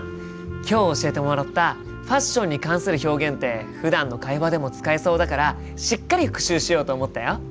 今日教えてもらったファッションに関する表現ってふだんの会話でも使えそうだからしっかり復習しようと思ったよ。